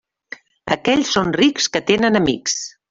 Aquells són rics, que tenen amics.